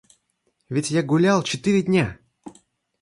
Ведь я гулял четыре дня!